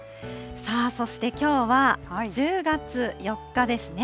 さあ、そしてきょうは、１０月４日ですね。